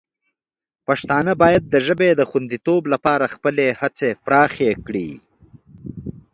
پښتانه باید د ژبې د خوندیتوب لپاره خپلې هڅې پراخې کړي.